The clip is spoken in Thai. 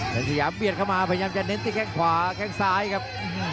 เป็นสยามเบียดเข้ามาพยายามจะเน้นที่แข้งขวาแข้งซ้ายครับ